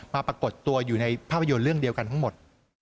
ปรากฏตัวอยู่ในภาพยนตร์เรื่องเดียวกันทั้งหมด